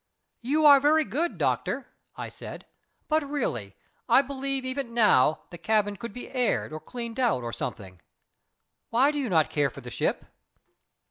"You are very good, doctor," I said. "But, really, I believe even now the cabin could be aired, or cleaned out, or something. Why do you not care for the ship?"